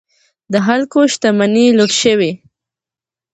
د خلکو شتمنۍ لوټ شوې.